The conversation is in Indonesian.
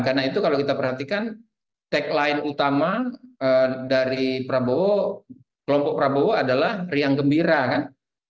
karena itu kalau kita perhatikan tagline utama dari prabowo kelompok prabowo adalah riang gembira kan